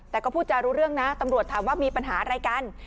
แต่ก็พูดจารู้เรื่องนะตำรวจถามว่ามีปัญหาอะไรกัน